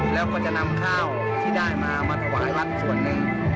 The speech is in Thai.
แล้วก็จะนำข้าวที่ได้มามาถวายวัดส่วนหนึ่ง